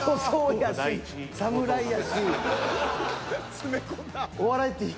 詰め込んだ。